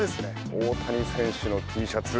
大谷選手のＴシャツ。